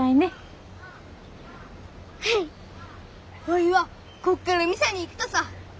おいはこっからミサに行くとさ。